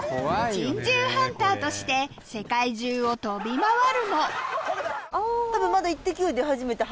・珍獣ハンターとして世界中を飛び回るも多分まだ。